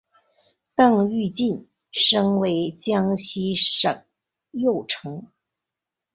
邓愈晋升为江西行省右丞。